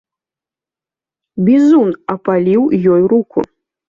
Бізун апаліў ёй руку.